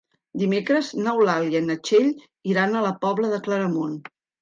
Dimecres n'Eulàlia i na Txell iran a la Pobla de Claramunt.